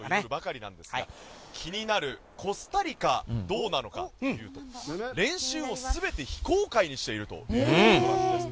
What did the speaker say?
気になるコスタリカはどうなのかというと練習を全て非公開にしているということなんです。